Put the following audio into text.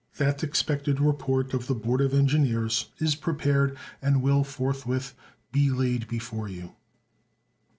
That expected report of the board of engineers is prepared, and will forthwith be laid before you.